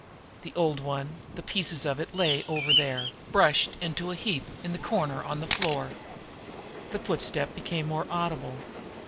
The old one, the pieces of it, lay over there, brushed into a heap in the corner on the floor. The footstep became more audible.